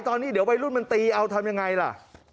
ตอนนี้เดี๋ยววัยรุ่นมันตีเอาทำยังไงล่ะ